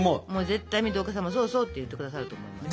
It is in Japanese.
絶対水戸岡さんも「そうそう」って言って下さると思います。